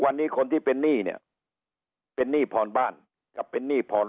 วันนี้คนที่เป็นหนี้เนี่ยเป็นหนี้พรบ้านกับเป็นหนี้พร